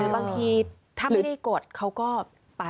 บางทีถ้าไม่ได้กดเขาก็ไป